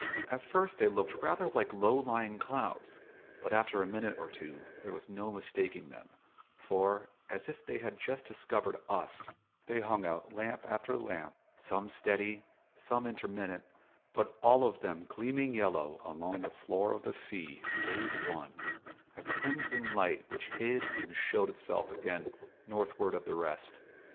At first they looked rather like low lying clouds, but after a minute or two there was no mistaking them; for, as if they had just discovered us, they hung out lamp after lamp, some steady, some intermittent, but all of them gleaming yellow along the floor of the sea save one, a crimson light which hid and showed itself again northward of the rest.